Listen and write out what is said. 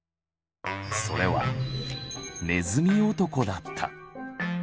それは「ねずみ男」だった。